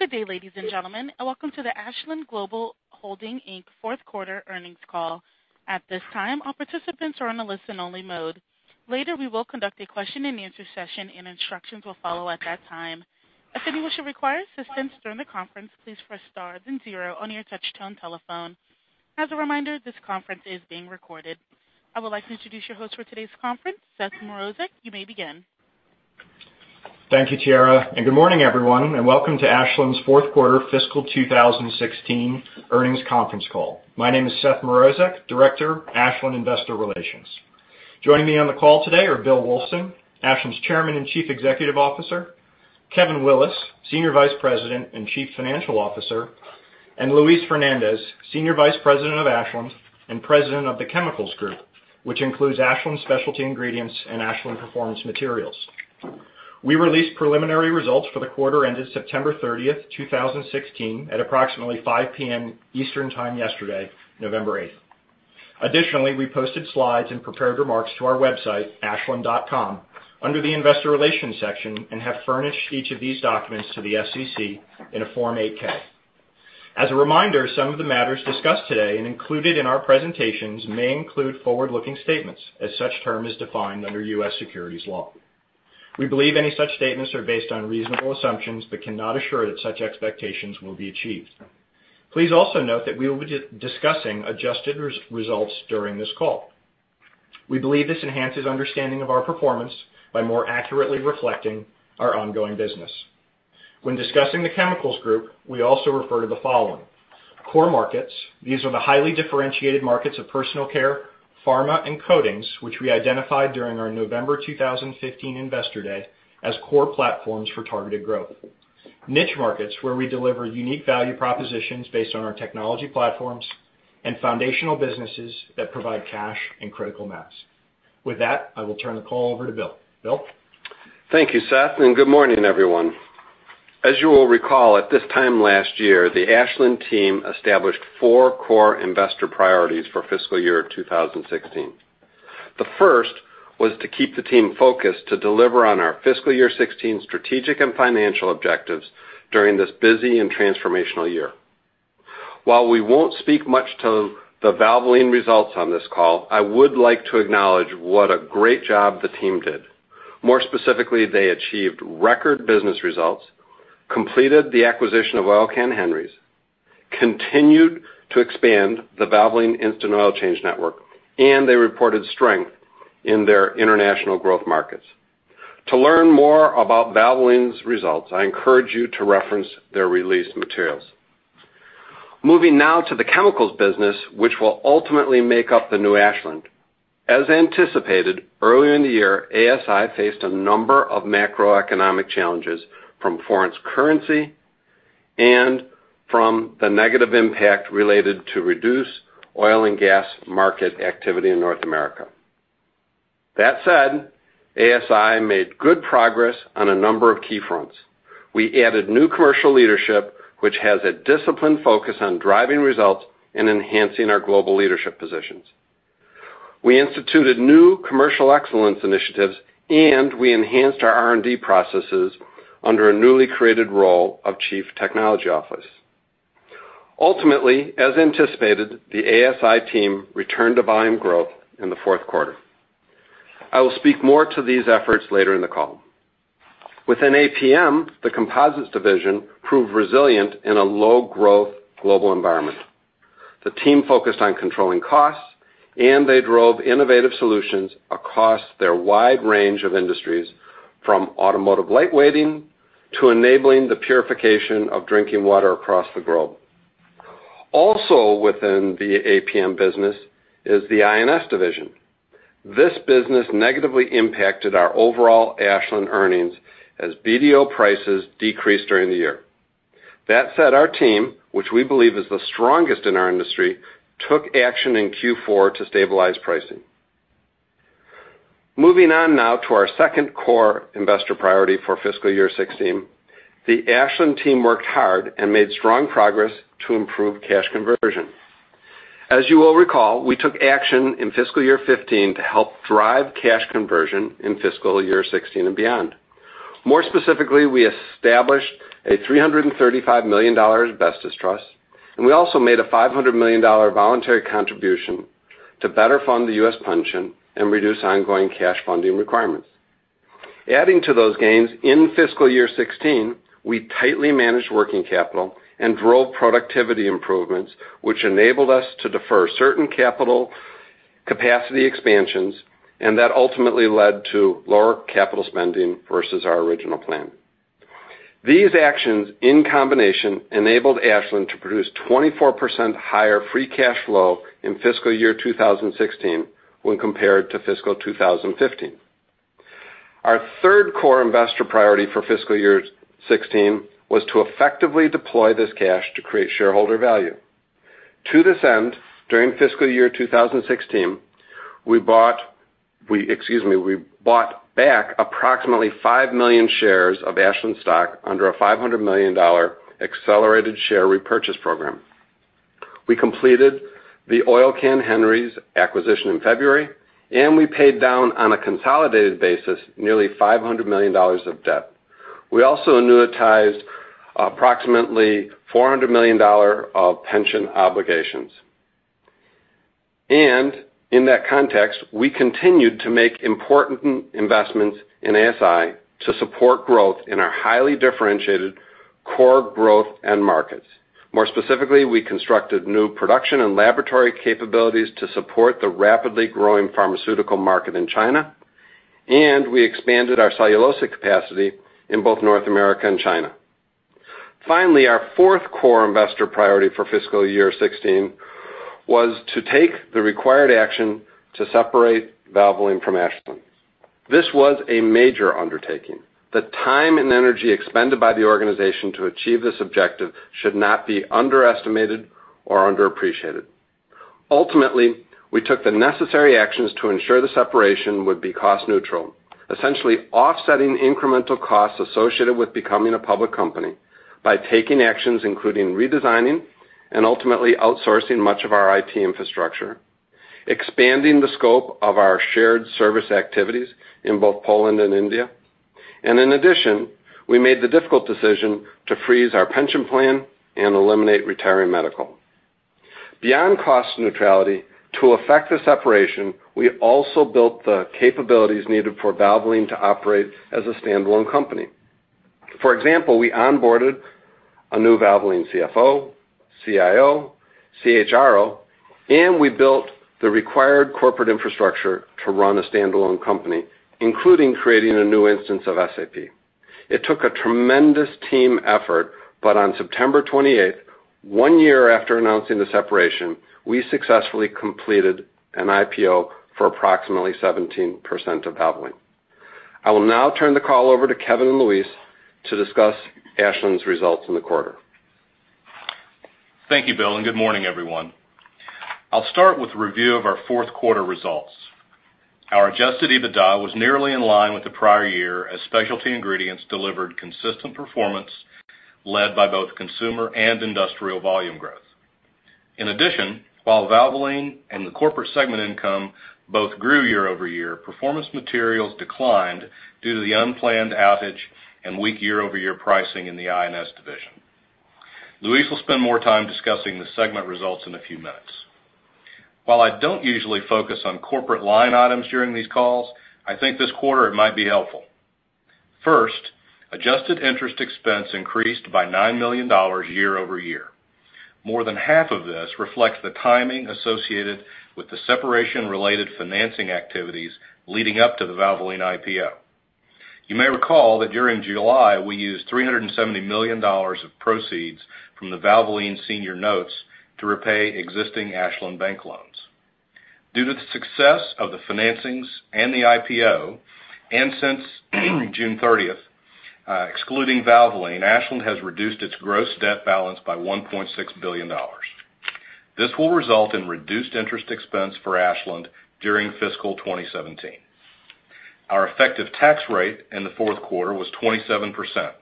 Good day, ladies and gentlemen, and welcome to the Ashland Global Holdings Inc. fourth quarter earnings call. At this time, all participants are on a listen-only mode. Later, we will conduct a question-and-answer session. Instructions will follow at that time. If anyone should require assistance during the conference, please press star then 0 on your touch-tone telephone. As a reminder, this conference is being recorded. I would like to introduce your host for today's conference, Seth Mrozek. You may begin. Thank you, Tiara. Good morning, everyone, and welcome to Ashland's fourth quarter fiscal 2016 earnings conference call. My name is Seth Mrozek, Director, Ashland Investor Relations. Joining me on the call today are Bill Wulfsohn, Ashland's Chairman and Chief Executive Officer, Kevin Willis, Senior Vice President and Chief Financial Officer, and Luis Fernandez-Moreno, Senior Vice President of Ashland and President of the Chemicals Group, which includes Ashland Specialty Ingredients and Ashland Performance Materials. We released preliminary results for the quarter ended September 30, 2016, at approximately 5:00 P.M. Eastern Time yesterday, November 8. Additionally, we posted slides and prepared remarks to our website, ashland.com, under the investor relations section and have furnished each of these documents to the SEC in a Form 8-K. As a reminder, some of the matters discussed today and included in our presentations may include forward-looking statements, as such term is defined under U.S. securities law. We believe any such statements are based on reasonable assumptions but cannot assure that such expectations will be achieved. Please also note that we will be discussing adjusted results during this call. We believe this enhances understanding of our performance by more accurately reflecting our ongoing business. When discussing the Chemicals Group, we also refer to the following. Core markets, these are the highly differentiated markets of personal care, pharma, and coatings, which we identified during our November 2015 investor day as core platforms for targeted growth. Niche markets, where we deliver unique value propositions based on our technology platforms, and foundational businesses that provide cash and critical mass. With that, I will turn the call over to Bill. Bill? Thank you, Seth. Good morning, everyone. As you will recall, at this time last year, the Ashland team established four core investor priorities for fiscal year 2016. The first was to keep the team focused to deliver on our fiscal year 2016 strategic and financial objectives during this busy and transformational year. While we won't speak much to the Valvoline results on this call, I would like to acknowledge what a great job the team did. More specifically, they achieved record business results, completed the acquisition of Oil Can Henry's, continued to expand the Valvoline Instant Oil Change network, and they reported strength in their international growth markets. To learn more about Valvoline's results, I encourage you to reference their released materials. Moving now to the Chemicals business, which will ultimately make up the new Ashland. As anticipated, earlier in the year, ASI faced a number of macroeconomic challenges from foreign currency and from the negative impact related to reduced oil and gas market activity in North America. That said, ASI made good progress on a number of key fronts. We added new commercial leadership, which has a disciplined focus on driving results and enhancing our global leadership positions. We instituted new commercial excellence initiatives, and we enhanced our R&D processes under a newly created role of Chief Technology Officer. Ultimately, as anticipated, the ASI team returned to volume growth in the fourth quarter. I will speak more to these efforts later in the call. Within APM, the composites division proved resilient in a low-growth global environment. The team focused on controlling costs, and they drove innovative solutions across their wide range of industries, from automotive lightweighting to enabling the purification of drinking water across the globe. Also within the APM business is the I&S division. This business negatively impacted our overall Ashland earnings as BDO prices decreased during the year. That said, our team, which we believe is the strongest in our industry, took action in Q4 to stabilize pricing. Moving on now to our second core investor priority for fiscal year 2016. The Ashland team worked hard and made strong progress to improve cash conversion. As you will recall, we took action in fiscal year 2015 to help drive cash conversion in fiscal year 2016 and beyond. More specifically, we established a $335 million asbestos trust, and we also made a $500 million voluntary contribution to better fund the U.S. pension and reduce ongoing cash funding requirements. Adding to those gains, in fiscal year 2016, we tightly managed working capital and drove productivity improvements, which enabled us to defer certain capital capacity expansions, and that ultimately led to lower capital spending versus our original plan. These actions, in combination, enabled Ashland to produce 24% higher free cash flow in fiscal year 2016 when compared to fiscal 2015. Our third core investor priority for fiscal year 2016 was to effectively deploy this cash to create shareholder value. To this end, during fiscal year 2016, we bought back approximately 5 million shares of Ashland stock under a $500 million accelerated share repurchase program. We completed the Oil Can Henry's acquisition in February, and we paid down, on a consolidated basis, nearly $500 million of debt. We also annuitized approximately $400 million of pension obligations. In that context, we continued to make important investments in ASI to support growth in our highly differentiated core growth end markets. More specifically, we constructed new production and laboratory capabilities to support the rapidly growing pharmaceutical market in China, and we expanded our cellulosic capacity in both North America and China. Finally, our fourth core investor priority for fiscal year 2016 was to take the required action to separate Valvoline from Ashland. This was a major undertaking. The time and energy expended by the organization to achieve this objective should not be underestimated or underappreciated. Ultimately, we took the necessary actions to ensure the separation would be cost neutral, essentially offsetting incremental costs associated with becoming a public company by taking actions including redesigning and ultimately outsourcing much of our IT infrastructure, expanding the scope of our shared service activities in both Poland and India, and in addition, we made the difficult decision to freeze our pension plan and eliminate retiree medical. Beyond cost neutrality, to affect the separation, we also built the capabilities needed for Valvoline to operate as a standalone company. For example, we onboarded a new Valvoline CFO, CIO, CHRO, and we built the required corporate infrastructure to run a standalone company, including creating a new instance of SAP. It took a tremendous team effort, but on September 28th, one year after announcing the separation, we successfully completed an IPO for approximately 17% of Valvoline. I will now turn the call over to Kevin and Luis to discuss Ashland's results in the quarter. Thank you, Bill. Good morning, everyone. I'll start with a review of our fourth quarter results. Our adjusted EBITDA was nearly in line with the prior year as Specialty Ingredients delivered consistent performance led by both consumer and industrial volume growth. In addition, while Valvoline and the corporate segment income both grew year-over-year, Performance Materials declined due to the unplanned outage and weak year-over-year pricing in the I&S division. Luis will spend more time discussing the segment results in a few minutes. While I don't usually focus on corporate line items during these calls, I think this quarter it might be helpful. First, adjusted interest expense increased by $9 million year-over-year. More than half of this reflects the timing associated with the separation-related financing activities leading up to the Valvoline IPO. You may recall that during July, we used $370 million of proceeds from the Valvoline senior notes to repay existing Ashland bank loans. Due to the success of the financings and the IPO since June 30th, excluding Valvoline, Ashland has reduced its gross debt balance by $1.6 billion. This will result in reduced interest expense for Ashland during fiscal 2017. Our effective tax rate in the fourth quarter was 27%.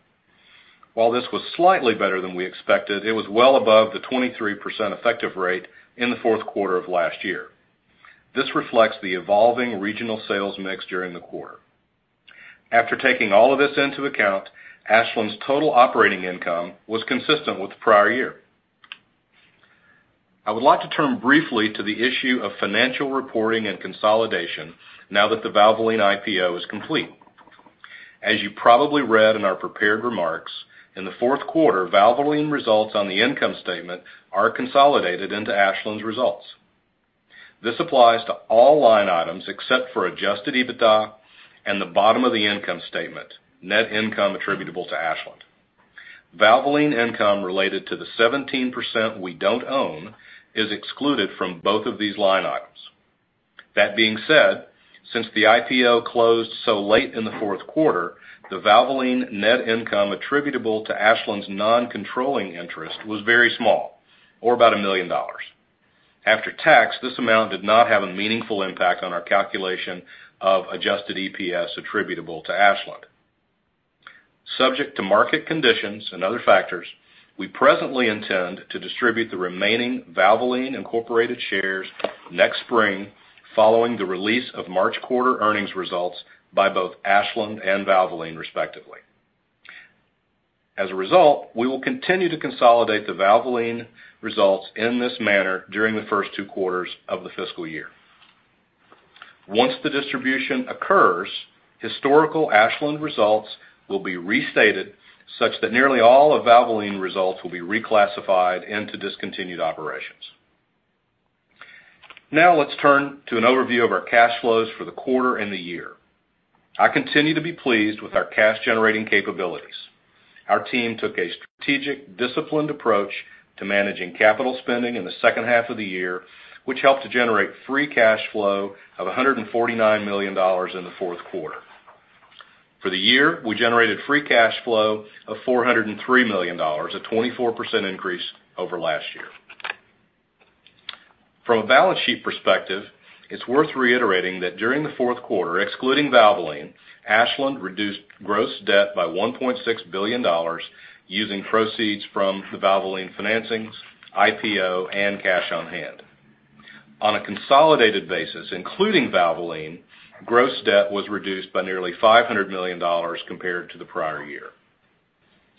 While this was slightly better than we expected, it was well above the 23% effective rate in the fourth quarter of last year. This reflects the evolving regional sales mix during the quarter. After taking all of this into account, Ashland's total operating income was consistent with the prior year. I would like to turn briefly to the issue of financial reporting and consolidation now that the Valvoline IPO is complete. As you probably read in our prepared remarks, in the fourth quarter, Valvoline results on the income statement are consolidated into Ashland's results. This applies to all line items except for adjusted EBITDA and the bottom of the income statement, net income attributable to Ashland. Valvoline income related to the 17% we don't own is excluded from both of these line items. That being said, since the IPO closed so late in the fourth quarter, the Valvoline net income attributable to Ashland's non-controlling interest was very small, or about $1 million. After tax, this amount did not have a meaningful impact on our calculation of adjusted EPS attributable to Ashland. Subject to market conditions and other factors, we presently intend to distribute the remaining Valvoline Incorporated shares next spring following the release of March quarter earnings results by both Ashland and Valvoline respectively. As a result, we will continue to consolidate the Valvoline results in this manner during the first two quarters of the fiscal year. Once the distribution occurs, historical Ashland results will be restated such that nearly all of Valvoline results will be reclassified into discontinued operations. Now let's turn to an overview of our cash flows for the quarter and the year. I continue to be pleased with our cash-generating capabilities. Our team took a strategic, disciplined approach to managing capital spending in the second half of the year, which helped to generate free cash flow of $149 million in the fourth quarter. For the year, we generated free cash flow of $403 million, a 24% increase over last year. From a balance sheet perspective, it's worth reiterating that during the fourth quarter, excluding Valvoline, Ashland reduced gross debt by $1.6 billion using proceeds from the Valvoline financings, IPO, and cash on hand. On a consolidated basis, including Valvoline, gross debt was reduced by nearly $500 million compared to the prior year.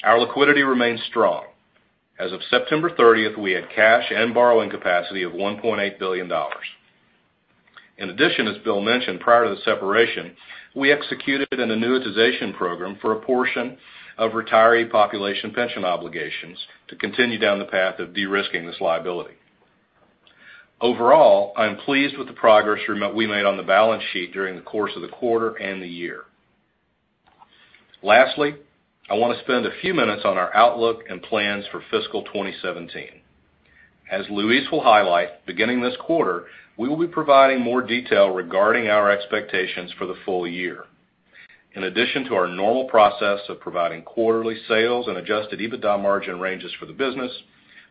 Our liquidity remains strong. As of September 30th, we had cash and borrowing capacity of $1.8 billion. In addition, as Bill mentioned, prior to the separation, we executed an annuitization program for a portion of retiree population pension obligations to continue down the path of de-risking this liability. Overall, I am pleased with the progress we made on the balance sheet during the course of the quarter and the year. Lastly, I want to spend a few minutes on our outlook and plans for fiscal 2017. As Luis will highlight, beginning this quarter, we will be providing more detail regarding our expectations for the full year. In addition to our normal process of providing quarterly sales and adjusted EBITDA margin ranges for the business,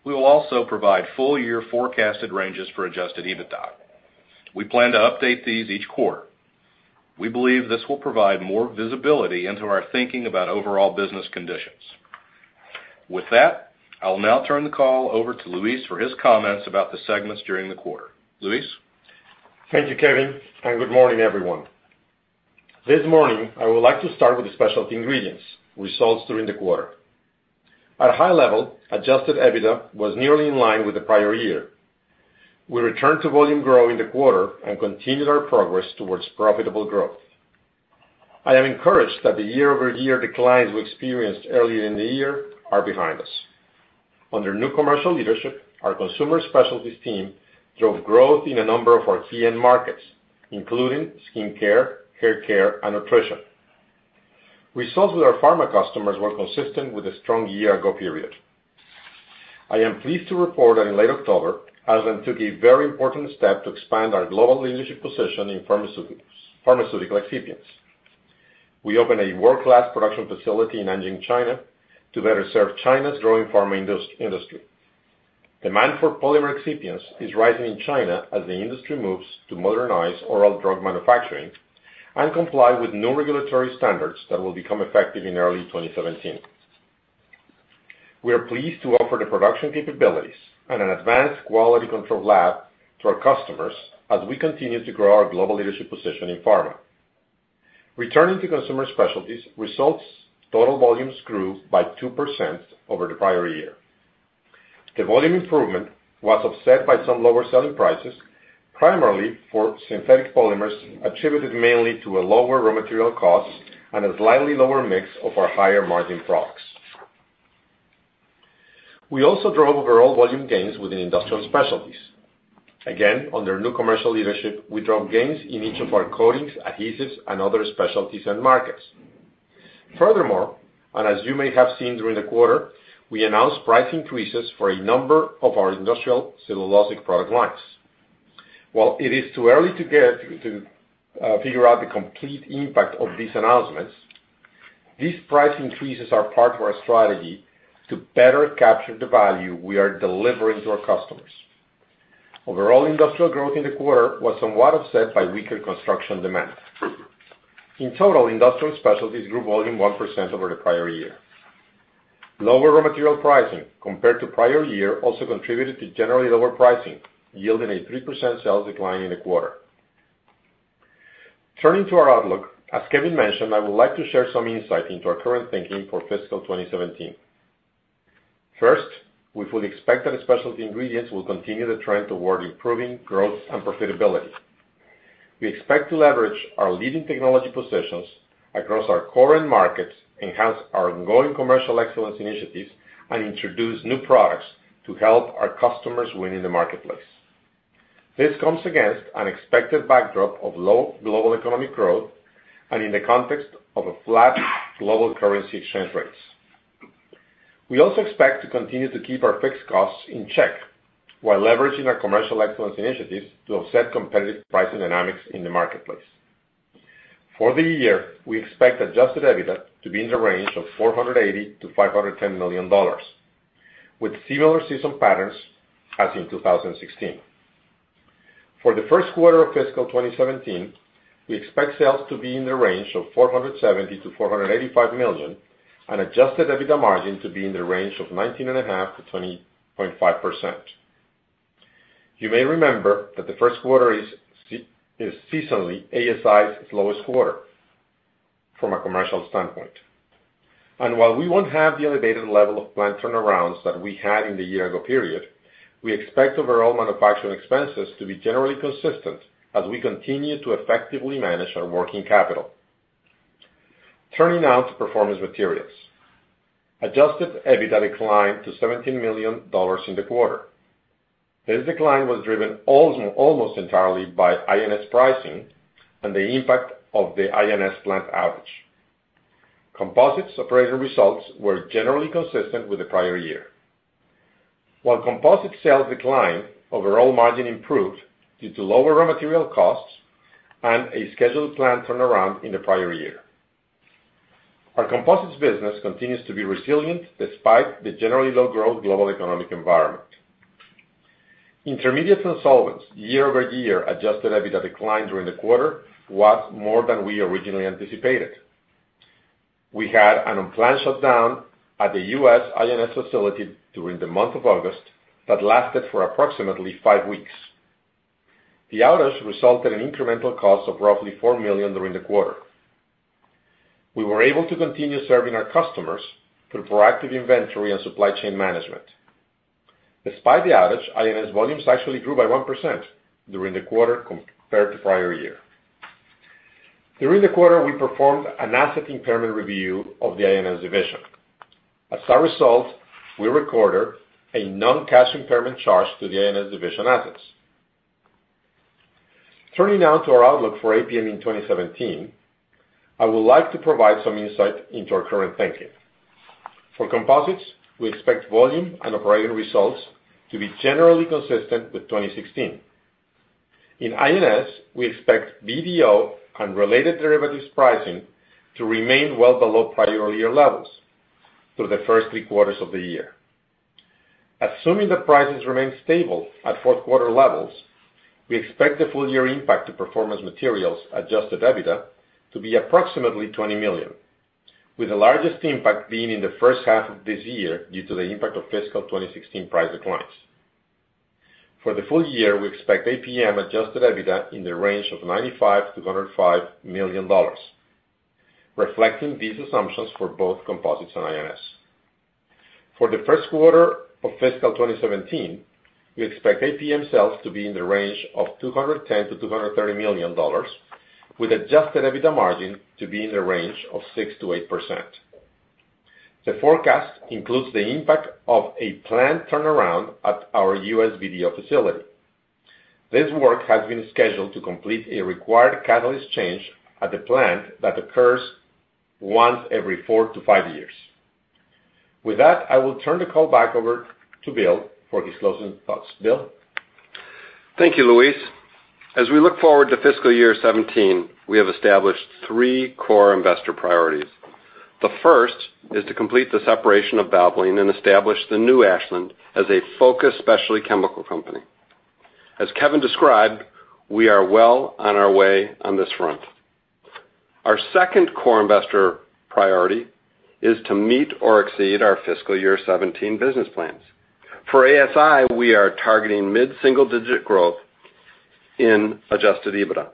we will also provide full-year forecasted ranges for adjusted EBITDA. We plan to update these each quarter. We believe this will provide more visibility into our thinking about overall business conditions. With that, I will now turn the call over to Luis for his comments about the segments during the quarter. Luis? Thank you, Kevin, and good morning, everyone. This morning, I would like to start with the Specialty Ingredients results during the quarter. At a high level, adjusted EBITDA was nearly in line with the prior year. We returned to volume growth in the quarter and continued our progress towards profitable growth. I am encouraged that the year-over-year declines we experienced earlier in the year are behind us. Under new commercial leadership, our consumer specialties team drove growth in a number of our key end markets, including skincare, haircare, and nutrition. Results with our pharma customers were consistent with a strong year-ago period. I am pleased to report that in late October, Ashland took a very important step to expand our global leadership position in pharmaceutical excipients. We opened a world-class production facility in Nanjing, China, to better serve China's growing pharma industry. Demand for polymer excipients is rising in China as the industry moves to modernize oral drug manufacturing and comply with new regulatory standards that will become effective in early 2017. We are pleased to offer the production capabilities and an advanced quality control lab to our customers as we continue to grow our global leadership position in pharma. Returning to consumer specialties results, total volumes grew by 2% over the prior year. The volume improvement was offset by some lower selling prices, primarily for synthetic polymers, attributed mainly to lower raw material costs and a slightly lower mix of our higher-margin products. We also drove overall volume gains within Industrial Specialties. Again, under new commercial leadership, we drove gains in each of our coatings, adhesives, and other specialties end markets. Furthermore, as you may have seen during the quarter, we announced price increases for a number of our industrial cellulosic product lines. While it is too early to figure out the complete impact of these announcements, these price increases are part of our strategy to better capture the value we are delivering to our customers. Overall industrial growth in the quarter was somewhat offset by weaker construction demand. In total, Industrial Specialties grew volume 1% over the prior year. Lower raw material pricing compared to the prior year also contributed to generally lower pricing, yielding a 3% sales decline in the quarter. Turning to our outlook, as Kevin mentioned, I would like to share some insight into our current thinking for fiscal 2017. First, we fully expect that Specialty Ingredients will continue the trend toward improving growth and profitability. We expect to leverage our leading technology positions across our core end markets, enhance our ongoing commercial excellence initiatives, and introduce new products to help our customers win in the marketplace. This comes against an expected backdrop of low global economic growth and in the context of flat global currency exchange rates. We also expect to continue to keep our fixed costs in check while leveraging our commercial excellence initiatives to offset competitive pricing dynamics in the marketplace. For the year, we expect adjusted EBITDA to be in the range of $480 million-$510 million, with similar seasonal patterns as in 2016. For the first quarter of fiscal 2017, we expect sales to be in the range of $470 million-$485 million, and adjusted EBITDA margin to be in the range of 19.5%-20.5%. You may remember that the first quarter is seasonally ASI's lowest quarter from a commercial standpoint. While we won't have the elevated level of plant turnarounds that we had in the year-ago period, we expect overall manufacturing expenses to be generally consistent as we continue to effectively manage our working capital. Turning now to Performance Materials. Adjusted EBITDA declined to $17 million in the quarter. This decline was driven almost entirely by I&S pricing and the impact of the I&S plant outage. Composites operating results were generally consistent with the prior year. While composites sales declined, overall margin improved due to lower raw material costs and a scheduled plant turnaround in the prior year. Our composites business continues to be resilient despite the generally low growth global economic environment. Intermediates and Solvents year-over-year adjusted EBITDA decline during the quarter was more than we originally anticipated. We had an unplanned shutdown at the U.S. I&S facility during the month of August that lasted for approximately five weeks. The outage resulted in incremental costs of roughly $4 million during the quarter. We were able to continue serving our customers through proactive inventory and supply chain management. Despite the outage, I&S volumes actually grew by 1% during the quarter compared to prior year. During the quarter, we performed an asset impairment review of the I&S division. As a result, we recorded a non-cash impairment charge to the I&S division assets. Turning now to our outlook for APM in 2017, I would like to provide some insight into our current thinking. For composites, we expect volume and operating results to be generally consistent with 2016. In INS, we expect BDO and related derivatives pricing to remain well below prior year levels through the first three quarters of the year. Assuming the prices remain stable at fourth quarter levels, we expect the full year impact to Performance Materials adjusted EBITDA to be approximately $20 million, with the largest impact being in the first half of this year due to the impact of fiscal 2016 price declines. For the full year, we expect APM adjusted EBITDA in the range of $95 million-$105 million, reflecting these assumptions for both composites and INS. For the first quarter of fiscal 2017, we expect APM sales to be in the range of $210 million-$230 million, with adjusted EBITDA margin to be in the range of 6%-8%. The forecast includes the impact of a planned turnaround at our U.S. BDO facility. This work has been scheduled to complete a required catalyst change at the plant that occurs once every four to five years. With that, I will turn the call back over to Bill for his closing thoughts. Bill? Thank you, Luis. As we look forward to fiscal year 2017, we have established three core investor priorities. The first is to complete the separation of Valvoline and establish the new Ashland as a focused specialty chemical company. As Kevin described, we are well on our way on this front. Our second core investor priority is to meet or exceed our fiscal year 2017 business plans. For ASI, we are targeting mid-single-digit growth in adjusted EBITDA.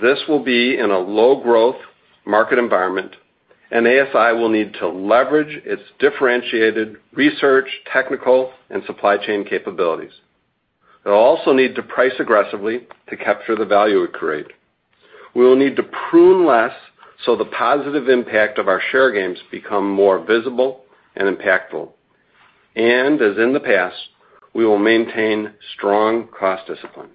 This will be in a low growth market environment. ASI will need to leverage its differentiated research, technical, and supply chain capabilities. It'll also need to price aggressively to capture the value we create. We will need to prune less so the positive impact of our share gains become more visible and impactful. As in the past, we will maintain strong cost discipline.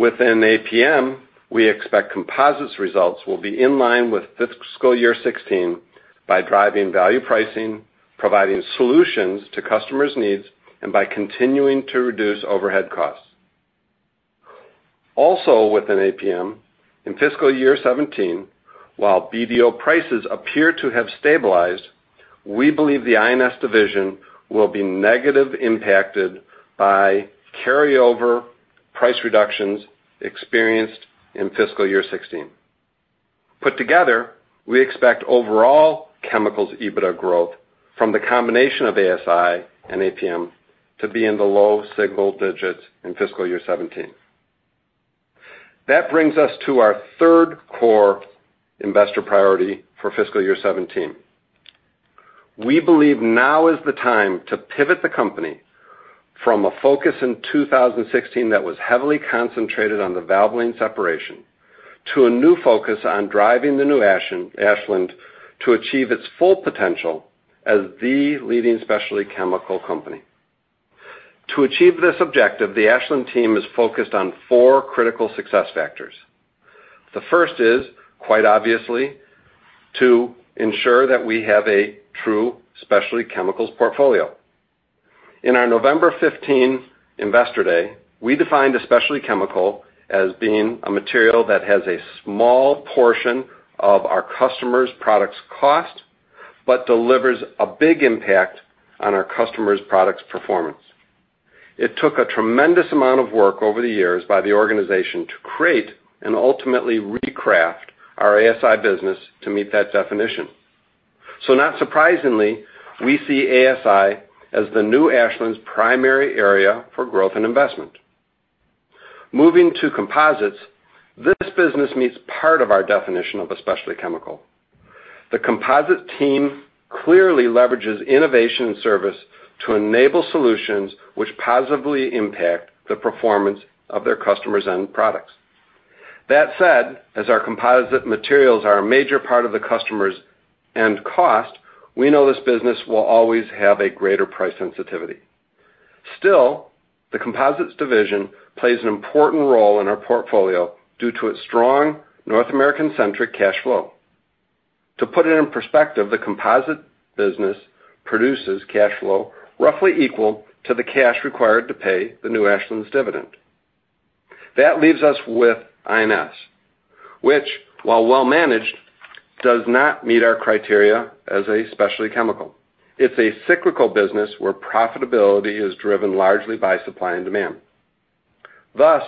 Within APM, we expect composites results will be in line with fiscal year 2016 by driving value pricing, providing solutions to customers' needs, and by continuing to reduce overhead costs. Also within APM, in fiscal year 2017, while BDO prices appear to have stabilized, we believe the I&S division will be negatively impacted by carryover price reductions experienced in fiscal year 2016. Put together, we expect overall chemicals EBITDA growth from the combination of ASI and APM to be in the low single digits in fiscal year 2017. That brings us to our third core investor priority for fiscal year 2017. We believe now is the time to pivot the company from a focus in 2016 that was heavily concentrated on the Valvoline separation, to a new focus on driving the new Ashland to achieve its full potential as the leading specialty chemical company. To achieve this objective, the Ashland team is focused on four critical success factors. The first is, quite obviously, to ensure that we have a true specialty chemicals portfolio. In our November 2015 Investor Day, we defined a specialty chemical as being a material that has a small portion of our customer's product's cost but delivers a big impact on our customer's product's performance. It took a tremendous amount of work over the years by the organization to create and ultimately recraft our ASI business to meet that definition. Not surprisingly, we see ASI as the new Ashland's primary area for growth and investment. Moving to composites, this business meets part of our definition of a specialty chemical. The composite team clearly leverages innovation and service to enable solutions which positively impact the performance of their customers' end products. That said, as our composite materials are a major part of the customer's end cost, we know this business will always have a greater price sensitivity. Still, the composites division plays an important role in our portfolio due to its strong North American-centric cash flow. To put it in perspective, the composite business produces cash flow roughly equal to the cash required to pay the new Ashland's dividend. That leaves us with I&S, which, while well managed, does not meet our criteria as a specialty chemical. It's a cyclical business where profitability is driven largely by supply and demand. Thus,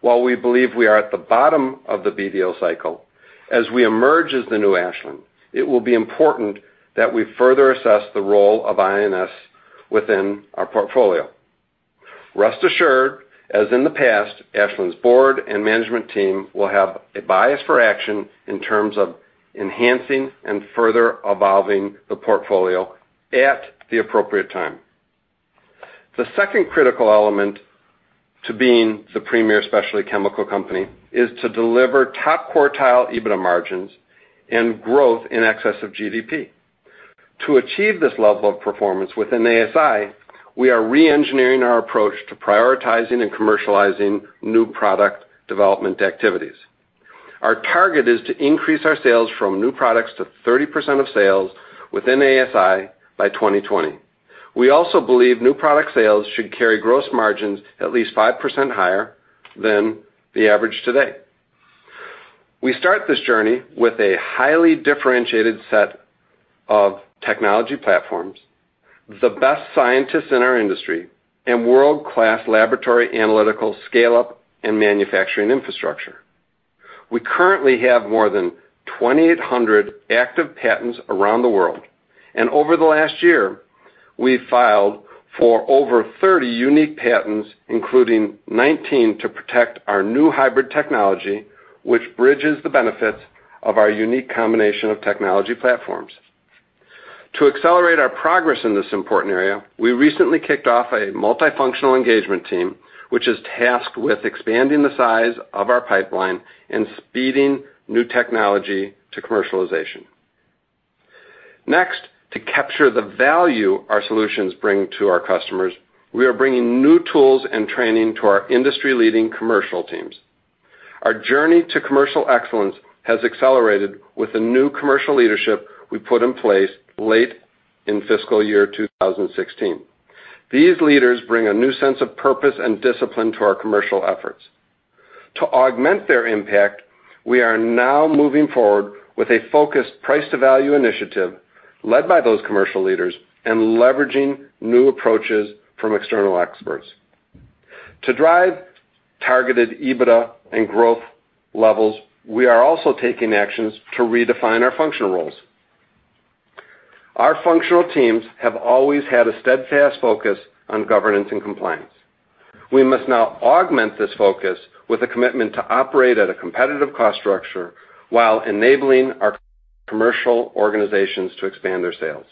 while we believe we are at the bottom of the BDO cycle, as we emerge as the new Ashland, it will be important that we further assess the role of I&S within our portfolio. Rest assured, as in the past, Ashland's board and management team will have a bias for action in terms of enhancing and further evolving the portfolio at the appropriate time. The second critical element to being the premier specialty chemical company is to deliver top-quartile EBITDA margins and growth in excess of GDP. To achieve this level of performance within ASI, we are re-engineering our approach to prioritizing and commercializing new product development activities. Our target is to increase our sales from new products to 30% of sales within ASI by 2020. We also believe new product sales should carry gross margins at least 5% higher than the average today. We start this journey with a highly differentiated set of technology platforms, the best scientists in our industry, and world-class laboratory analytical scale-up and manufacturing infrastructure. We currently have more than 2,800 active patents around the world, over the last year, we've filed for over 30 unique patents, including 19 to protect our new hybrid technology, which bridges the benefits of our unique combination of technology platforms. To accelerate our progress in this important area, we recently kicked off a multifunctional engagement team, which is tasked with expanding the size of our pipeline and speeding new technology to commercialization. Next, to capture the value our solutions bring to our customers, we are bringing new tools and training to our industry-leading commercial teams. Our journey to commercial excellence has accelerated with the new commercial leadership we put in place late in fiscal year 2016. These leaders bring a new sense of purpose and discipline to our commercial efforts. To augment their impact, we are now moving forward with a focused price to value initiative led by those commercial leaders and leveraging new approaches from external experts. To drive targeted EBITDA and growth levels, we are also taking actions to redefine our functional roles. Our functional teams have always had a steadfast focus on governance and compliance. We must now augment this focus with a commitment to operate at a competitive cost structure while enabling our commercial organizations to expand their sales.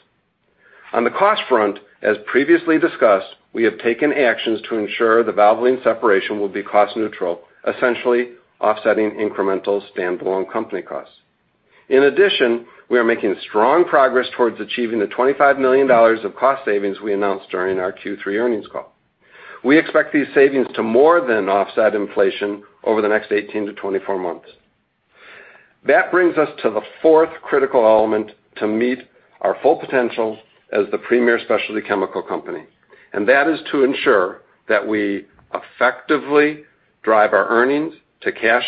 On the cost front, as previously discussed, we have taken actions to ensure the Valvoline separation will be cost neutral, essentially offsetting incremental standalone company costs. In addition, we are making strong progress towards achieving the $25 million of cost savings we announced during our Q3 earnings call. We expect these savings to more than offset inflation over the next 18-24 months. That brings us to the fourth critical element to meet our full potential as the premier specialty chemical company, that is to ensure that we effectively drive our earnings to cash,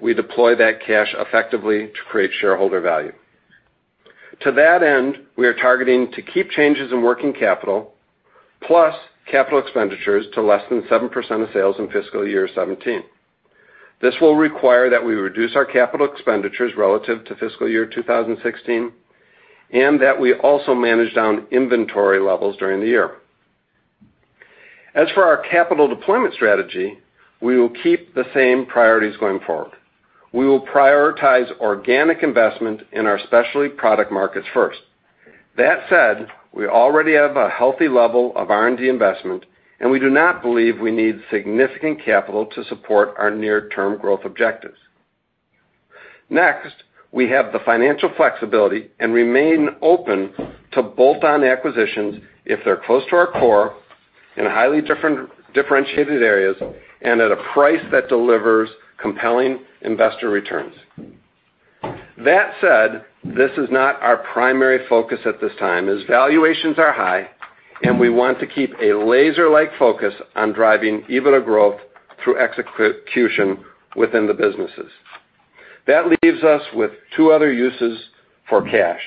we deploy that cash effectively to create shareholder value. To that end, we are targeting to keep changes in working capital plus capital expenditures to less than 7% of sales in fiscal year 2017. This will require that we reduce our capital expenditures relative to fiscal year 2016, that we also manage down inventory levels during the year. As for our capital deployment strategy, we will keep the same priorities going forward. We will prioritize organic investment in our specialty product markets first. That said, we already have a healthy level of R&D investment, we do not believe we need significant capital to support our near-term growth objectives. We have the financial flexibility and remain open to bolt-on acquisitions if they're close to our core in highly differentiated areas and at a price that delivers compelling investor returns. That said, this is not our primary focus at this time, as valuations are high, and we want to keep a laser-like focus on driving EBITDA growth through execution within the businesses. That leaves us with two other uses for cash,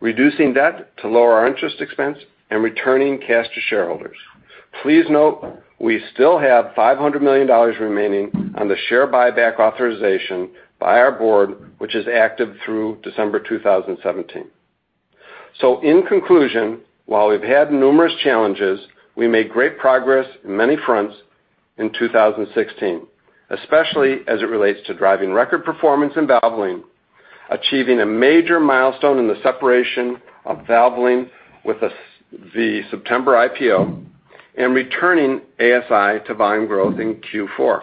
reducing debt to lower our interest expense and returning cash to shareholders. Please note we still have $500 million remaining on the share buyback authorization by our board, which is active through December 2017. In conclusion, while we've had numerous challenges, we made great progress in many fronts in 2016, especially as it relates to driving record performance in Valvoline, achieving a major milestone in the separation of Valvoline with the September IPO, and returning ASI to volume growth in Q4.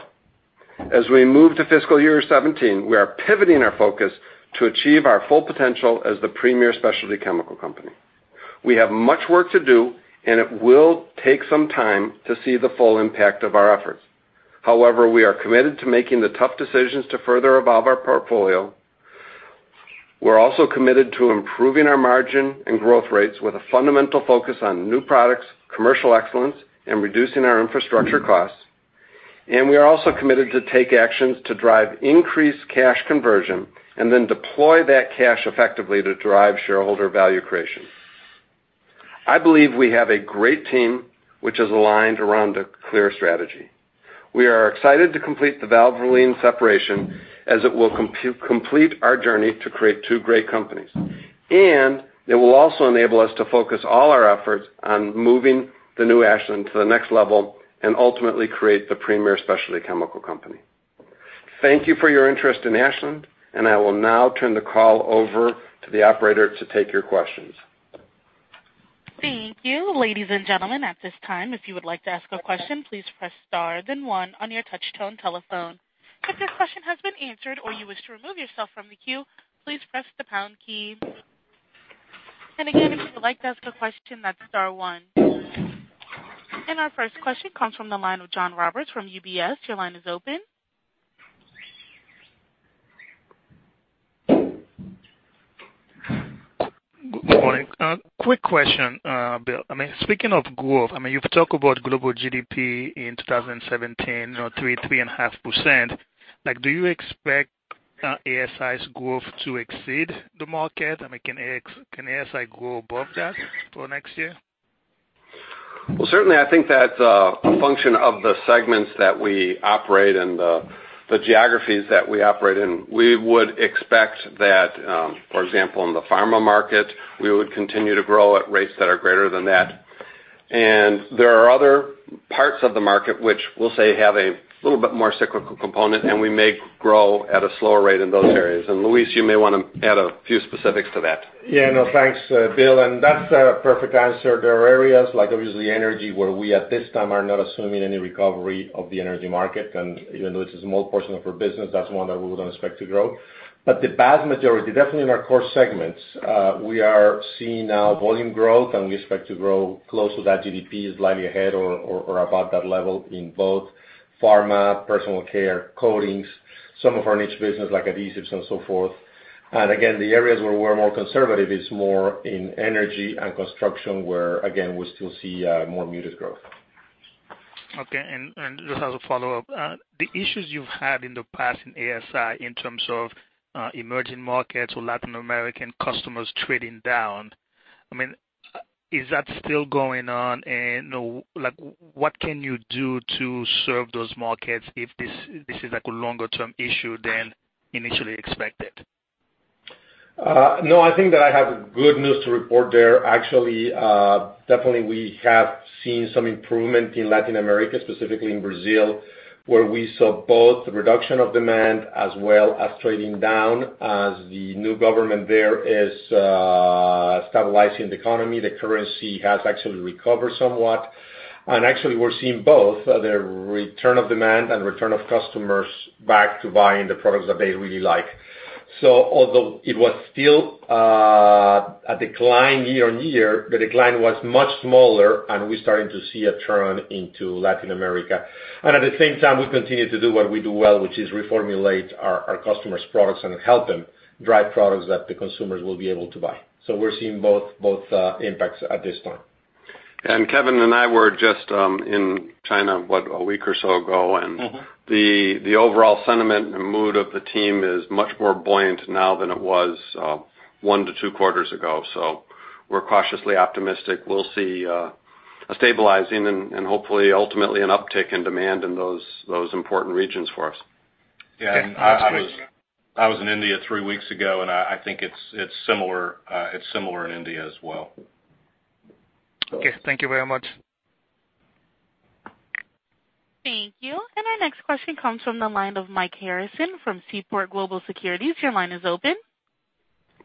As we move to fiscal year 2017, we are pivoting our focus to achieve our full potential as the premier specialty chemical company. We have much work to do, and it will take some time to see the full impact of our efforts. However, we are committed to making the tough decisions to further evolve our portfolio. We're also committed to improving our margin and growth rates with a fundamental focus on new products, commercial excellence, and reducing our infrastructure costs. We are also committed to take actions to drive increased cash conversion and then deploy that cash effectively to drive shareholder value creation. I believe we have a great team which is aligned around a clear strategy. We are excited to complete the Valvoline separation as it will complete our journey to create two great companies. It will also enable us to focus all our efforts on moving the new Ashland to the next level and ultimately create the premier specialty chemical company. Thank you for your interest in Ashland, and I will now turn the call over to the operator to take your questions. Thank you. Ladies and gentlemen, at this time, if you would like to ask a question, please press star then one on your touch-tone telephone. If your question has been answered or you wish to remove yourself from the queue, please press the pound key. Again, if you would like to ask a question, that's star one. Our first question comes from the line of John Roberts from UBS. Your line is open. Good morning. Quick question, Bill. Speaking of growth, you've talked about global GDP in 2017, 3%-3.5%. Do you expect ASI's growth to exceed the market? Can ASI grow above that for next year? Well, certainly, I think that's a function of the segments that we operate and the geographies that we operate in. We would expect that, for example, in the pharma market, we would continue to grow at rates that are greater than that. There are other parts of the market which we'll say have a little bit more cyclical component, and we may grow at a slower rate in those areas. Luis, you may want to add a few specifics to that. Yeah, no, thanks, Bill. That's a perfect answer. There are areas like, obviously, energy where we, at this time, are not assuming any recovery of the energy market. Even though it's a small portion of our business, that's one that we wouldn't expect to grow. The vast majority, definitely in our core segments, we are seeing now volume growth, and we expect to grow close to that GDP, slightly ahead or above that level in both pharma, personal care, coatings, some of our niche business like adhesives and so forth. Again, the areas where we're more conservative is more in energy and construction, where, again, we still see more muted growth. Okay, just as a follow-up. The issues you've had in the past in ASI in terms of emerging markets or Latin American customers trading down, is that still going on? What can you do to serve those markets if this is like a longer-term issue than initially expected? No, I think that I have good news to report there. Definitely we have seen some improvement in Latin America, specifically in Brazil, where we saw both reduction of demand as well as trading down as the new government there is stabilizing the economy. The currency has actually recovered somewhat. Actually, we're seeing both the return of demand and return of customers back to buying the products that they really like. Although it was still a decline year-on-year, the decline was much smaller and we're starting to see a turn into Latin America. At the same time, we continue to do what we do well, which is reformulate our customers' products and help them drive products that the consumers will be able to buy. We're seeing both impacts at this time. Kevin and I were just in China, what, a week or so ago. The overall sentiment and mood of the team is much more buoyant now than it was one to two quarters ago. We're cautiously optimistic we'll see a stabilizing and hopefully ultimately an uptick in demand in those important regions for us. Yeah. That's great. I was in India three weeks ago, and I think it's similar in India as well. Okay. Thank you very much. Thank you. Our next question comes from the line of Mike Harrison from Seaport Global Securities. Your line is open.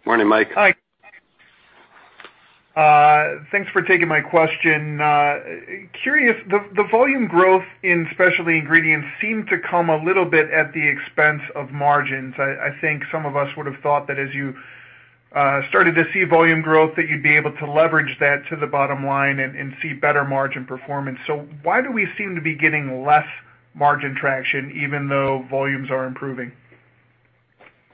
Morning, Mike. Hi. Thanks for taking my question. Curious, the volume growth in Specialty Ingredients seemed to come a little bit at the expense of margins. I think some of us would have thought that as you started to see volume growth, that you'd be able to leverage that to the bottom line and see better margin performance. Why do we seem to be getting less margin traction even though volumes are improving?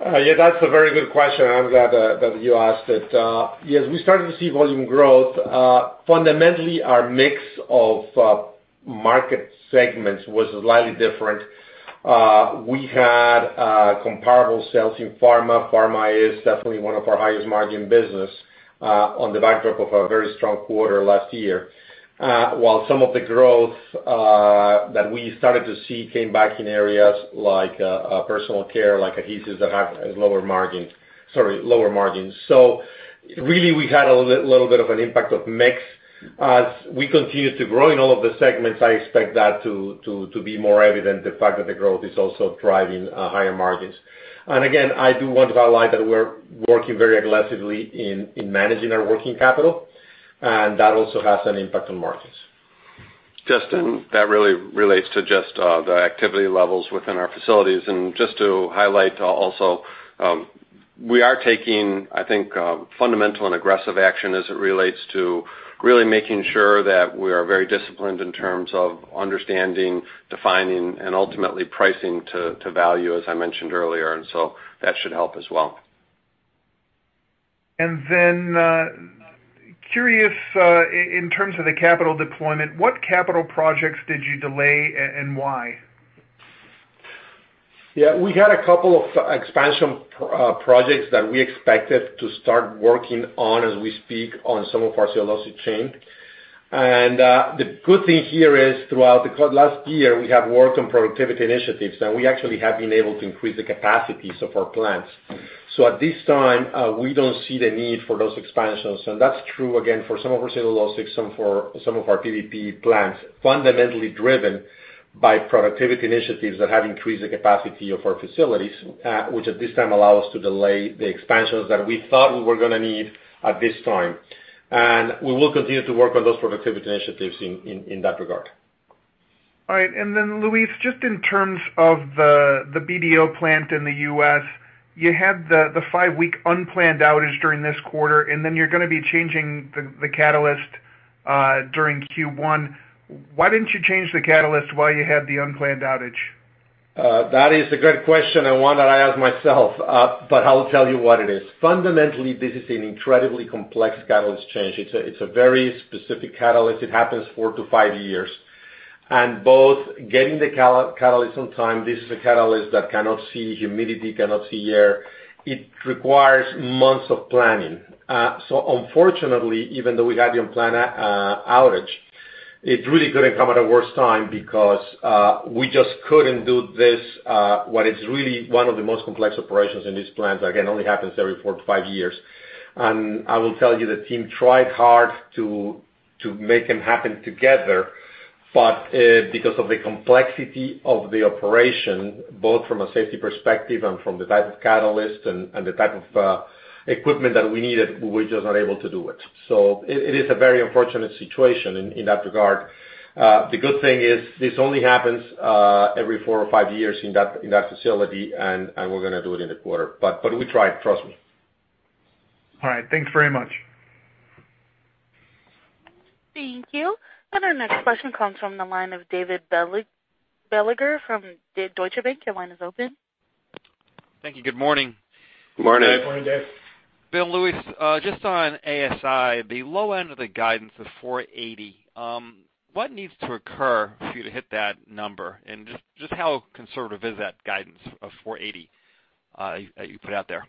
Yeah, that's a very good question. I'm glad that you asked it. Yes, we started to see volume growth. Fundamentally, our mix of market segments was slightly different. We had comparable sales in pharma. Pharma is definitely one of our highest margin business on the backdrop of a very strong quarter last year. While some of the growth that we started to see came back in areas like personal care, like adhesives that have lower margins. Really we had a little bit of an impact of mix. As we continue to grow in all of the segments, I expect that to be more evident, the fact that the growth is also driving higher margins. Again, I do want to highlight that we're working very aggressively in managing our working capital, and that also has an impact on margins. Justin, that really relates to just the activity levels within our facilities. Just to highlight also, we are taking, I think, fundamental and aggressive action as it relates to really making sure that we are very disciplined in terms of understanding, defining, and ultimately pricing to value, as I mentioned earlier, and so that should help as well. Curious in terms of the capital deployment, what capital projects did you delay and why? Yeah. We had a couple of expansion projects that we expected to start working on as we speak on some of our cellulose chain. The good thing here is throughout the last year, we have worked on productivity initiatives, and we actually have been able to increase the capacities of our plants. At this time, we don't see the need for those expansions. That's true, again, for some of our cellulose, some for some of our PVP plants, fundamentally driven by productivity initiatives that have increased the capacity of our facilities, which at this time allow us to delay the expansions that we thought we were going to need at this time. We will continue to work on those productivity initiatives in that regard. Luis, just in terms of the BDO plant in the U.S., you had the five-week unplanned outage during this quarter, you're going to be changing the catalyst during Q1. Why didn't you change the catalyst while you had the unplanned outage? That is a good question and one that I ask myself. I'll tell you what it is. Fundamentally, this is an incredibly complex catalyst change. It's a very specific catalyst. It happens four to five years. Both getting the catalyst on time, this is a catalyst that cannot see humidity, cannot see air. It requires months of planning. Unfortunately, even though we had the unplanned outage, it really couldn't come at a worse time because we just couldn't do this, what is really one of the most complex operations in these plants. Again, only happens every four to five years. I will tell you, the team tried hard to make them happen together. Because of the complexity of the operation, both from a safety perspective and from the type of catalyst and the type of equipment that we needed, we were just not able to do it. It is a very unfortunate situation in that regard. The good thing is this only happens every four or five years in that facility, and we're going to do it in the quarter. We tried, trust me. All right. Thanks very much. Thank you. Our next question comes from the line of David Begleiter from Deutsche Bank. Your line is open. Thank you. Good morning. Good morning. Good morning, Dave. Bill, Luis, just on ASI, the low end of the guidance is $480. What needs to occur for you to hit that number? Just how conservative is that guidance of $480 that you put out there?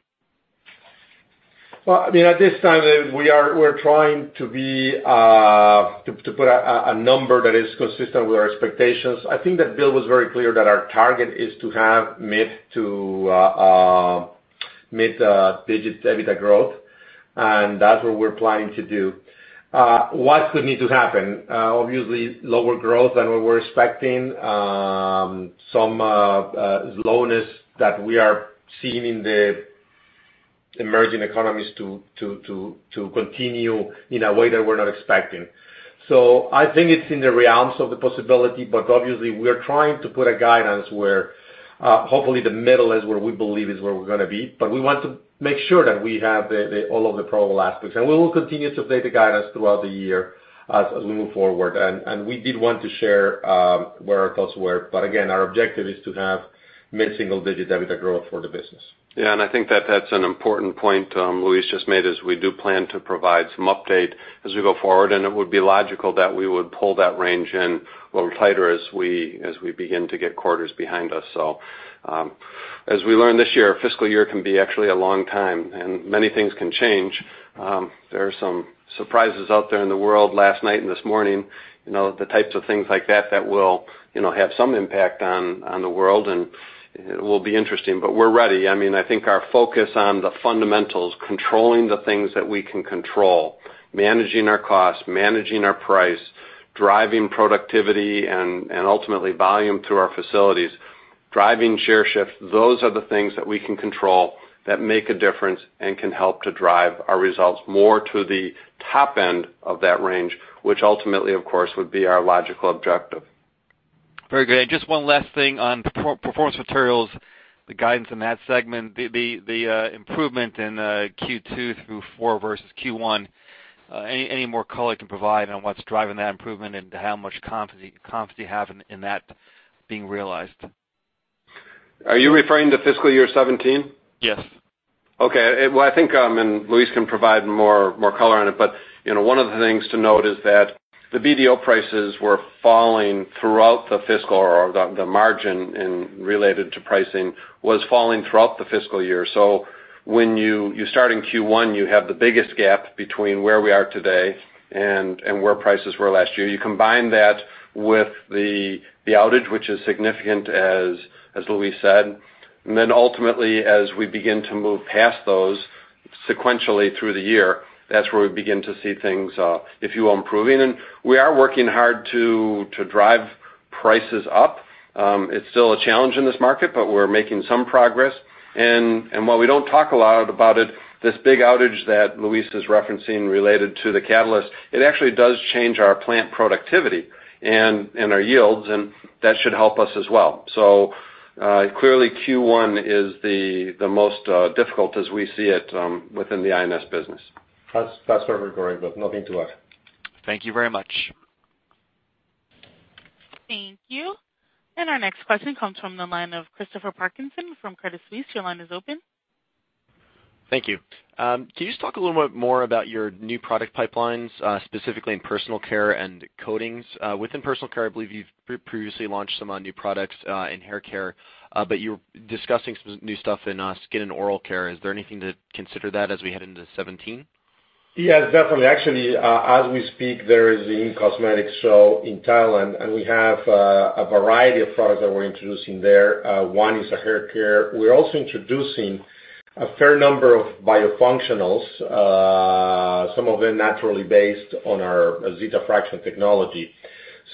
Well, at this time, we're trying to put a number that is consistent with our expectations. I think that Bill was very clear that our target is to have mid-digit EBITDA growth, that's what we're planning to do. What could need to happen? Obviously, lower growth than what we're expecting. Some slowness that we are seeing in the emerging economies to continue in a way that we're not expecting. I think it's in the realms of the possibility, obviously we are trying to put a guidance where hopefully the middle is where we believe is where we're going to be. We want to make sure that we have all of the probable aspects. We will continue to update the guidance throughout the year as we move forward. We did want to share where our thoughts were. Again, our objective is to have mid single digit EBITDA growth for the business. Yeah, I think that that's an important point Luis just made, is we do plan to provide some update as we go forward, it would be logical that we would pull that range in a little tighter as we begin to get quarters behind us. As we learned this year, a fiscal year can be actually a long time, many things can change. There are some surprises out there in the world last night and this morning, the types of things like that that will have some impact on the world, it will be interesting. We're ready. I think our focus on the fundamentals, controlling the things that we can control, managing our costs, managing our price, driving productivity and ultimately volume through our facilities, driving share shifts. Those are the things that we can control that make a difference and can help to drive our results more to the top end of that range, which ultimately, of course, would be our logical objective. Very good. Just one last thing on Performance Materials, the guidance in that segment, the improvement in Q2 through 4 versus Q1. Any more color you can provide on what's driving that improvement and how much confidence you have in that being realized? Are you referring to fiscal year 2017? Yes. Okay. I think Luis can provide more color on it. One of the things to note is that the BDO prices were falling throughout the fiscal or the margin related to pricing was falling throughout the fiscal year. When you start in Q1, you have the biggest gap between where we are today and where prices were last year. You combine that with the outage, which is significant as Luis said, then ultimately, as we begin to move past those sequentially through the year, that's where we begin to see things, if you will, improving. We are working hard to drive prices up. It's still a challenge in this market, but we're making some progress. While we don't talk a lot about it, this big outage that Luis is referencing related to the catalyst, it actually does change our plant productivity and our yields, and that should help us as well. Clearly Q1 is the most difficult as we see it within the I&S business. That's where we're going, but nothing to add. Thank you very much. Thank you. Our next question comes from the line of Christopher Parkinson from Credit Suisse. Your line is open. Thank you. Can you just talk a little bit more about your new product pipelines, specifically in personal care and coatings? Within personal care, I believe you've previously launched some new products in hair care, but you're discussing some new stuff in skin and oral care. Is there anything to consider that as we head into 2017? Yes, definitely. Actually, as we speak, there is the in-cosmetics show in Thailand, we have a variety of products that we're introducing there. One is a hair care. We're also introducing a fair number of biofunctionals, some of them naturally based on our Zeta Fraction technology.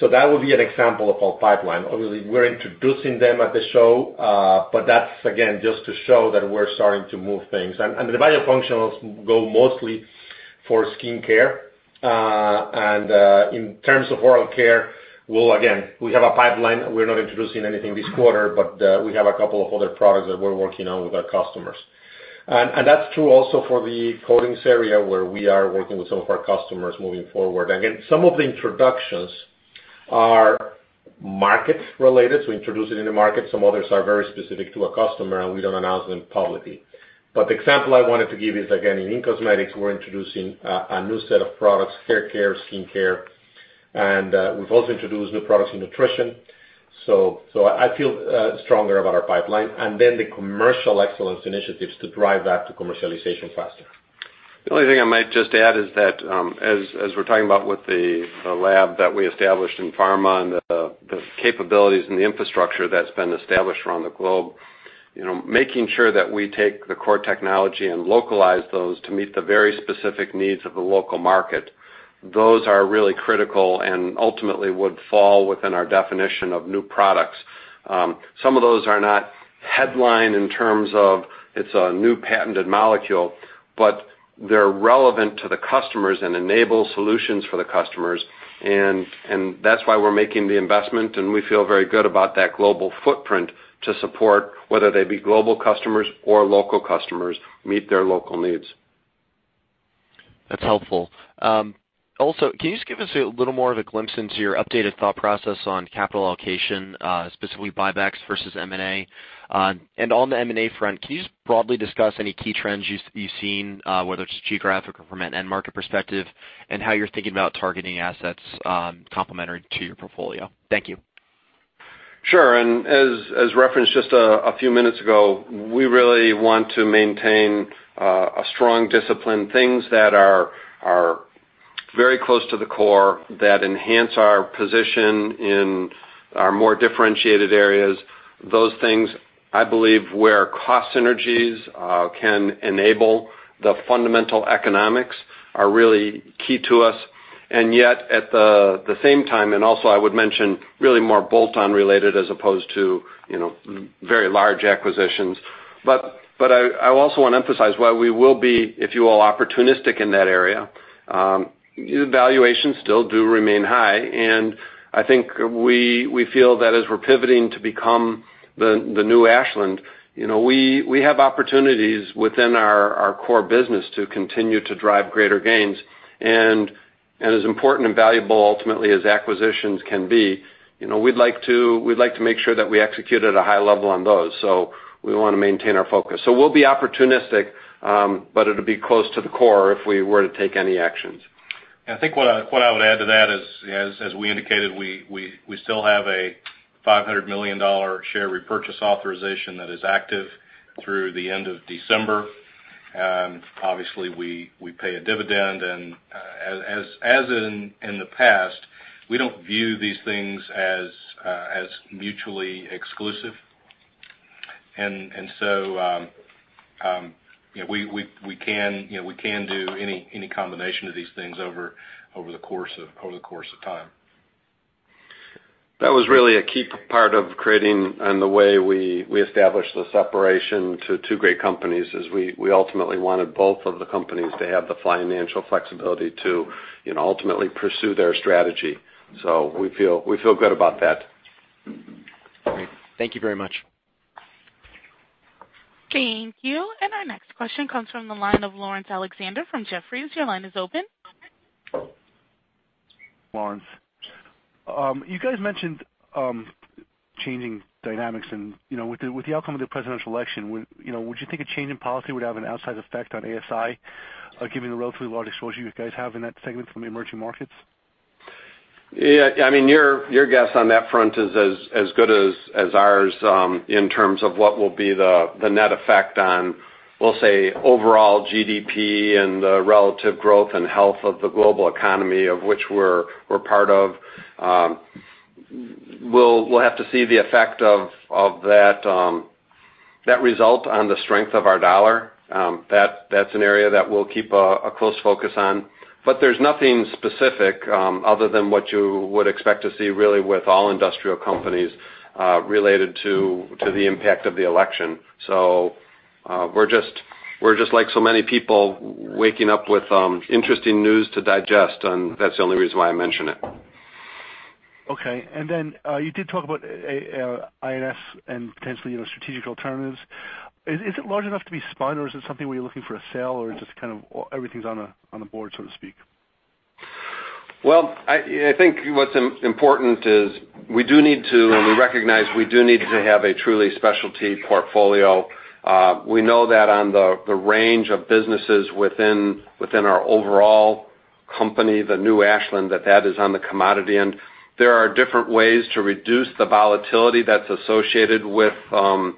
That would be an example of our pipeline. Obviously, we're introducing them at the show, that's again, just to show that we're starting to move things. The biofunctionals go mostly for skincare. In terms of oral care, we'll again, we have a pipeline. We're not introducing anything this quarter, but we have a couple of other products that we're working on with our customers. That's true also for the coatings area, where we are working with some of our customers moving forward. Again, some of the introductions are market-related, so we introduce it in the market. Some others are very specific to a customer, we don't announce them publicly. The example I wanted to give is, again, in in-cosmetics, we're introducing a new set of products, hair care, skincare, and we've also introduced new products in nutrition. I feel stronger about our pipeline and then the commercial excellence initiatives to drive that to commercialization faster. The only thing I might just add is that, as we're talking about with the lab that we established in pharma and the capabilities and the infrastructure that's been established around the globe, making sure that we take the core technology and localize those to meet the very specific needs of the local market, those are really critical and ultimately would fall within our definition of new products. Some of those are not headline in terms of it's a new patented molecule, but they're relevant to the customers and enable solutions for the customers. That's why we're making the investment, and we feel very good about that global footprint to support, whether they be global customers or local customers, meet their local needs. That's helpful. Can you just give us a little more of a glimpse into your updated thought process on capital allocation, specifically buybacks versus M&A? On the M&A front, can you just broadly discuss any key trends you've seen, whether it's geographic or from an end market perspective, and how you're thinking about targeting assets complementary to your portfolio? Thank you. Sure. As referenced just a few minutes ago, we really want to maintain a strong discipline. Things that are very close to the core that enhance our position in our more differentiated areas. Those things, I believe, where cost synergies can enable the fundamental economics are really key to us. Yet, at the same time, and also I would mention really more bolt-on related as opposed to very large acquisitions. I also want to emphasize while we will be, if you will, opportunistic in that area, valuations still do remain high, and I think we feel that as we're pivoting to become the new Ashland, we have opportunities within our core business to continue to drive greater gains. As important and valuable ultimately as acquisitions can be, we'd like to make sure that we execute at a high level on those. We want to maintain our focus. We'll be opportunistic, but it'll be close to the core if we were to take any actions. I think what I would add to that is, as we indicated, we still have a $500 million share repurchase authorization that is active through the end of December. Obviously, we pay a dividend, and as in the past, we don't view these things as mutually exclusive. We can do any combination of these things over the course of time. That was really a key part of creating and the way we established the separation to two great companies, is we ultimately wanted both of the companies to have the financial flexibility to ultimately pursue their strategy. We feel good about that. Great. Thank you very much. Thank you. Our next question comes from the line of Laurence Alexander from Jefferies. Your line is open. Laurence. Laurence. You guys mentioned changing dynamics and with the outcome of the presidential election, would you think a change in policy would have an outsize effect on ASI, given the relatively large exposure you guys have in that segment from the emerging markets? Yeah. Your guess on that front is as good as ours in terms of what will be the net effect on, we'll say, overall GDP and the relative growth and health of the global economy of which we're part of. We'll have to see the effect of that result on the strength of our dollar. That's an area that we'll keep a close focus on. There's nothing specific other than what you would expect to see really with all industrial companies related to the impact of the election. We're just like so many people waking up with interesting news to digest, and that's the only reason why I mention it. Okay. Then you did talk about I&S and potentially strategic alternatives. Is it large enough to be spun, or is it something where you're looking for a sale, or just kind of everything's on the board, so to speak? Well, I think what's important is we do need to, and we recognize we do need to have a truly specialty portfolio. We know that on the range of businesses within our overall company, the new Ashland, that that is on the commodity end. There are different ways to reduce the volatility that's associated with I&S.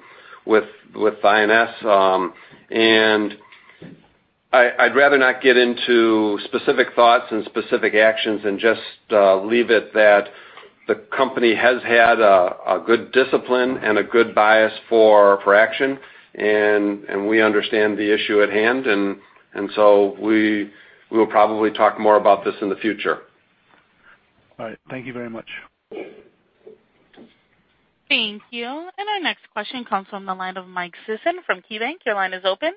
I'd rather not get into specific thoughts and specific actions and just leave it that the company has had a good discipline and a good bias for action, and we understand the issue at hand. We will probably talk more about this in the future. All right. Thank you very much. Thank you. Our next question comes from the line of Mike Sison from KeyBanc. Your line is open.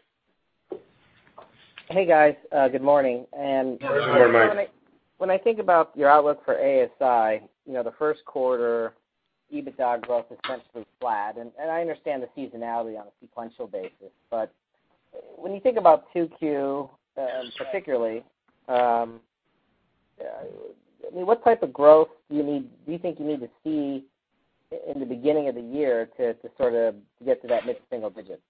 Hey, guys. Good morning. Good morning, Mike. When I think about your outlook for ASI, the first quarter EBITDA growth is essentially flat. I understand the seasonality on a sequential basis. When you think about 2Q, particularly, what type of growth do you think you need to see in the beginning of the year to sort of get to that mid-single digits?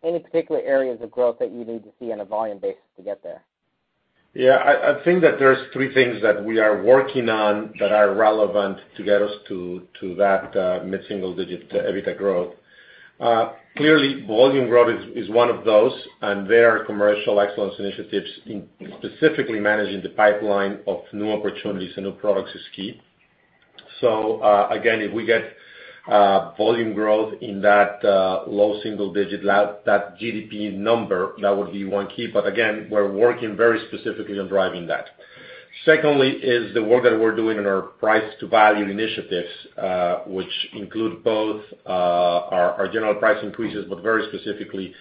Any particular areas of growth that you need to see on a volume basis to get there? I think that there's three things that we are working on that are relevant to get us to that mid-single digit EBITDA growth. Clearly, volume growth is one of those, and there are commercial excellence initiatives in specifically managing the pipeline of new opportunities and new products is key. Again, if we get volume growth in that low single digit level, that GDP number, that would be one key. Again, we're working very specifically on driving that. Secondly is the work that we're doing in our price to value initiatives, which include both our general price increases, but very specifically,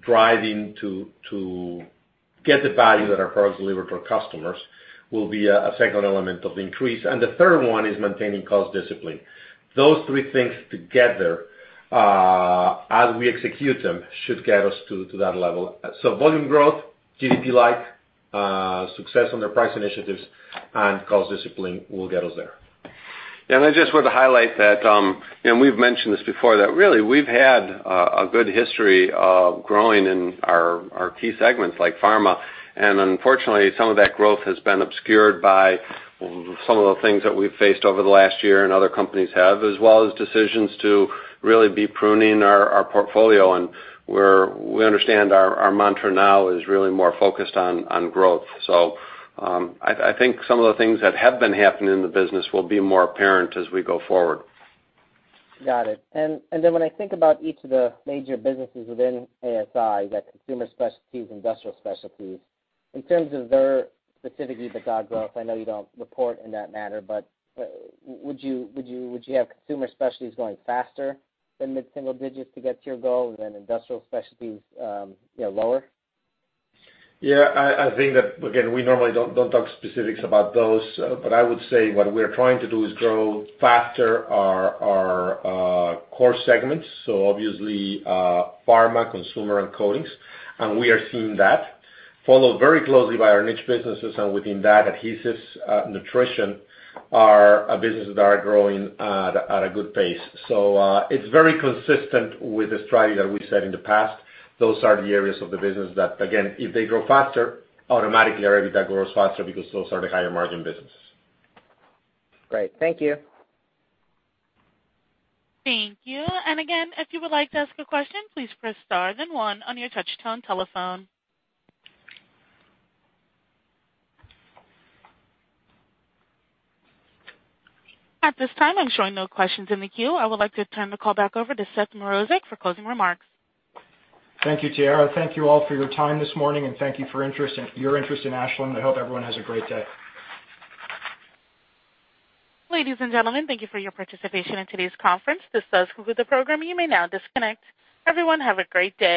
driving to get the value that our products deliver to our customers will be a second element of increase. The third one is maintaining cost discipline. Those three things together, as we execute them, should get us to that level. Volume growth, GDP-like, success on their price initiatives, and cost discipline will get us there. I just want to highlight that, and we've mentioned this before, that really we've had a good history of growing in our key segments like pharma. Unfortunately, some of that growth has been obscured by some of the things that we've faced over the last year and other companies have, as well as decisions to really be pruning our portfolio. We understand our mantra now is really more focused on growth. I think some of the things that have been happening in the business will be more apparent as we go forward. Got it. When I think about each of the major businesses within ASI, that Consumer Specialties, Industrial Specialties, in terms of their specific EBITDA growth, I know you don't report in that manner, but would you have Consumer Specialties going faster than mid-single digits to get to your goal than Industrial Specialties lower? Yeah, I think that, again, we normally don't talk specifics about those, but I would say what we're trying to do is grow faster our core segments. Obviously, pharma, consumer, and coatings. We are seeing that, followed very closely by our niche businesses. Within that, adhesives, nutrition are businesses that are growing at a good pace. It's very consistent with the strategy that we've said in the past. Those are the areas of the business that, again, if they grow faster, automatically our EBITDA grows faster because those are the higher margin businesses. Great. Thank you. Thank you. Again, if you would like to ask a question, please press star then one on your touch-tone telephone. At this time, I'm showing no questions in the queue. I would like to turn the call back over to Seth Mrozek for closing remarks. Thank you, Tiara. Thank you all for your time this morning, and thank you for your interest in Ashland. I hope everyone has a great day. Ladies and gentlemen, thank you for your participation in today's conference. This does conclude the program. You may now disconnect. Everyone, have a great day.